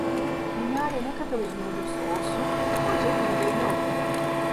Minare ne kadar uzun olursa olsun, hoca bildiğini okur.